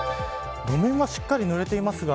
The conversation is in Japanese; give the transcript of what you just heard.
路面はしっかりぬれていますが。